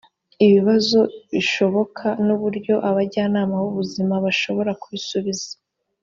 ibibazo bishoboka n uburyo abajyanama b ubuzima bashobora kubisubiza